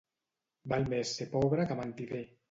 Val més ser pobre que mentider.